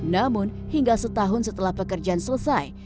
namun hingga setahun setelah pekerjaan selesai